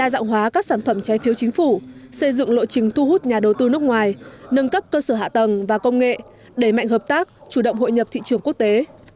giả đối tư nước ngoài nâng cấp cơ sở hạ tầng và công nghệ đẩy mạnh hợp tác chủ động hội nhập thị trường quốc tế